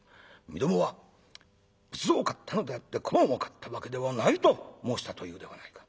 『みどもは仏像を買ったのであって小判を買ったわけではない』と申したというではないか。